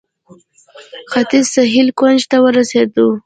ختیځ سهیل کونج ته ورسېدو.